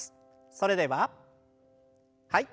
それでははい。